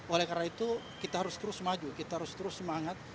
oleh karena itu kita harus terus maju kita harus terus semangat